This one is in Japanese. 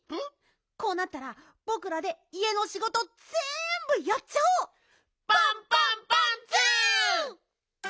こうなったらぼくらでいえのしごとぜんぶやっちゃおう！パンパンパンツー！